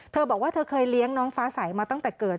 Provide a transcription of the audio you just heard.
เธอบอกว่าเธอเคยเลี้ยงน้องฟ้าใสมาตั้งแต่เกิด